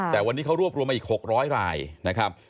แต่วันนี้เขารวบรวมมาอีก๖๐๐รายนะครับ